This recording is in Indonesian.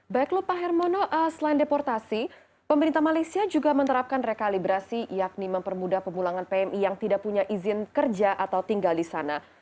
baik lupa hermono selain deportasi pemerintah malaysia juga menerapkan rekalibrasi yakni mempermudah pemulangan pmi yang tidak punya izin kerja atau tinggal di sana